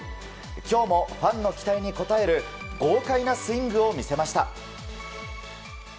今日もファンの期待に応える豪快なスイングを見せました。